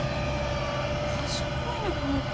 賢いねこの子。